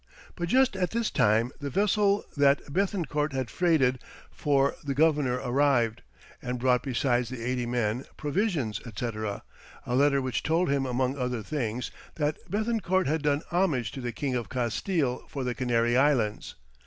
But just at this time, the vessel that Béthencourt had freighted for the governor arrived, and brought besides the eighty men, provisions, &c., a letter which told him among other things that Béthencourt had done homage to the King of Castille for the Canary Islands.